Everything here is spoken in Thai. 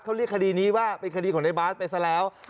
เขาเรียกคดีนี้ว่าคดีขนาดบาร์ดไปซะแล้ว